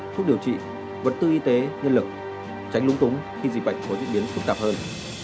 thuốc điều trị vật tư y tế nhân lực tránh lúng túng khi dịch bệnh có diễn biến phức tạp hơn